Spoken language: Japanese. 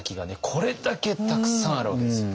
これだけたくさんあるわけです。